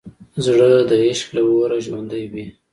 زړه د عشق له اوره ژوندی وي.